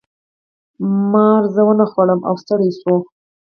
مار زه ونه خوړم او ستړی شو.